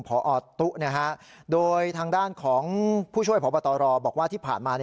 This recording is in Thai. พอตุ๊โดยทางด้านของผู้ช่วยพบตรบอกว่าที่ผ่านมา